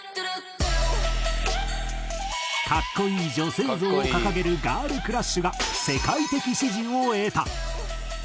格好いい女性像を掲げるガールクラッシュが世界的支持を得た。